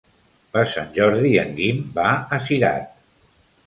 Per Sant Jordi en Guim va a Cirat.